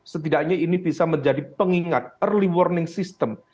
setidaknya ini bisa menjadi pengingat early warning system